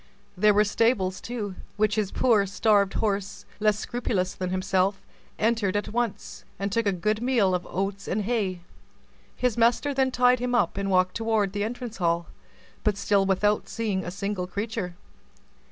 There were stables, too, which his poor, starved horse, less scrupulous than himself, entered at once, and took a good meal of oats and hay. His master then tied him up, and walked toward the entrance hall, but still without seeing a single creature.